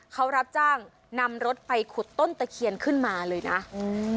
เขารับจ้างนำรถไปขุดต้นตะเคียนขึ้นมาเลยนะอืม